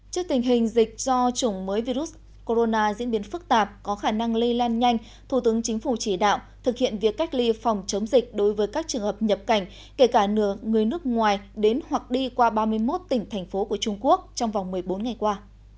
trước tình hình dịch do chủng mới virus corona diễn biến phức tạp có khả năng lây lan nhanh thủ tướng chính phủ chỉ đạo thực hiện việc cách ly phòng chống dịch đối với các trường hợp nhập cảnh kể cả nửa người nước ngoài đến hoặc đi qua ba mươi một tỉnh thành phố của trung quốc trong vòng một mươi bốn ngày qua